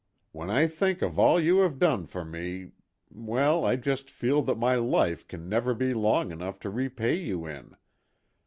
"When I think of all you have done for me well, I just feel that my life can never be long enough to repay you in.